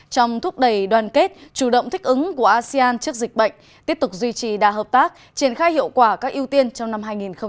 trong thúc đẩy đoàn kết chủ động thích ứng của asean trước dịch bệnh tiếp tục duy trì đa hợp tác triển khai hiệu quả các ưu tiên trong năm hai nghìn hai mươi